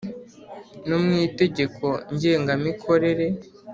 no mu Itegeko ngengamikorere